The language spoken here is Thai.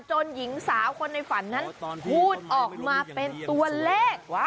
หญิงสาวคนในฝันนั้นพูดออกมาเป็นตัวเลข